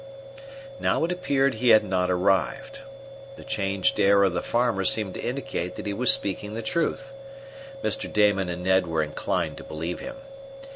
Now it appeared he had not arrived. The changed air of the farmer seemed to indicate that he was speaking the truth. Mr. Damon and Ned were inclined to believe him.